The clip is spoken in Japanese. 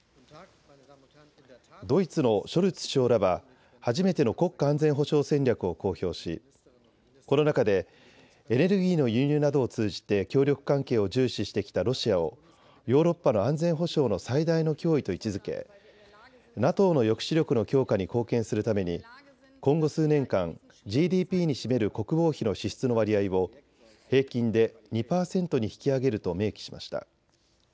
ドイツのショルツ首相らは初めての国家安全保障戦略を公表しこの中でエネルギーの輸入などを通じて協力関係を重視してきたロシアをヨーロッパの安全保障の最大の脅威と位置づけＮＡＴＯの抑止力の強化に貢献するために今後、数年間ＧＤＰに占める国防費の支出の割合を平均で２％に引き上げると明記しました。